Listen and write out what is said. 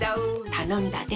たのんだで。